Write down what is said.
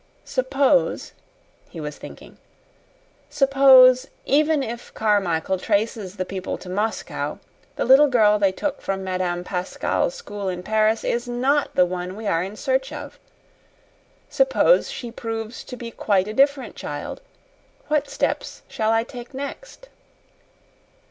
"Suppose," he was thinking, "suppose even if Carmichael traces the people to Moscow the little girl they took from Madame Pascal's school in Paris is NOT the one we are in search of. Suppose she proves to be quite a different child. What steps shall I take next?"